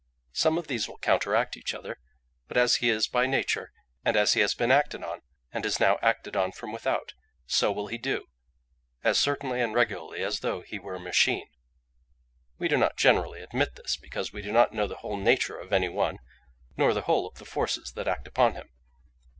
Some of these will counteract each other; but as he is by nature, and as he has been acted on, and is now acted on from without, so will he do, as certainly and regularly as though he were a machine. "We do not generally admit this, because we do not know the whole nature of any one, nor the whole of the forces that act upon him.